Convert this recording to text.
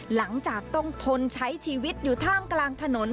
หลังจากต้องทนใช้ชีวิตอยู่ท่ามกลางถนน